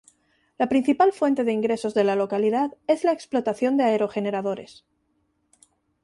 La principal fuente de ingresos de la localidad es la explotación de aerogeneradores.